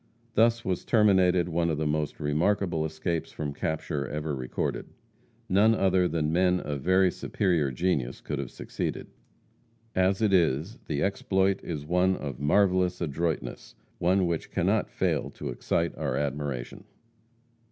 Thus was terminated one of the most remarkable escapes from capture ever recorded. None other than men of very superior genius could have succeeded. As it is, the exploit is one of marvelous adroitness, one which cannot fail to excite our admiration.